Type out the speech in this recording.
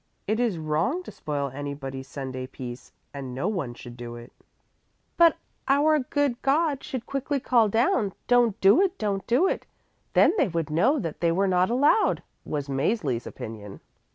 It is wrong to spoil anybody's Sunday peace and no one should do it." "But our good God should quickly call down, 'Don't do it, don't do it!' Then they would know that they were not allowed," was Mäzli's opinion.